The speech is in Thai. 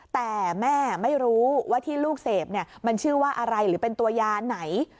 แต่แม่ไม่รู้ว่าที่ลูกเสพมันชื่อว่าอะไรหรือเป็นตัวยาไหน